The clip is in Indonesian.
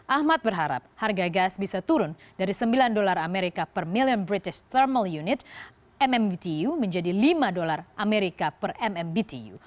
ahmad berharap harga gas bisa turun dari sembilan dolar amerika per million british thermal unit mmbtu menjadi lima dolar amerika per mmbtu